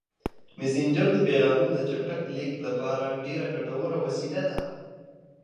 مسېنجر د پیغامونو د چټک لیږد لپاره ډېره ګټوره وسیله ده.